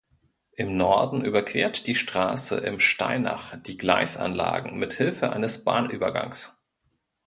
Im Norden überquert die Straße Im Steinach die Gleisanlagen mit Hilfe eines Bahnübergangs.